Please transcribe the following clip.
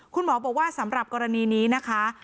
คุณหมอบอกว่าสำหรับกรณีนี้นะคะ